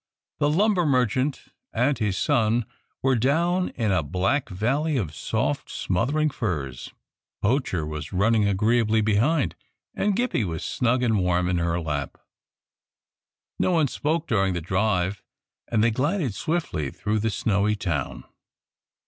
The lumber merchant and his son were down in a black valley of soft, smothering furs, Poacher was running agreeably behind, and Gippie was snug and warm in her lap. No one spoke during the drive, and they glided swiftly through the snowy town.